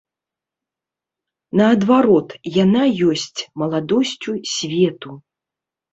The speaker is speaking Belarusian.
Наадварот, яна ёсць маладосцю свету.